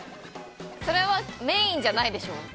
それはメインじゃないでしょ。